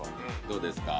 どうですか？